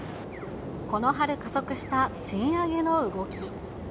この春、加速した賃上げの動き。